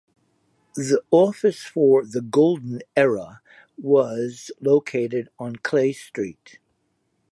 The office for "The Golden Era" was located on Clay Street.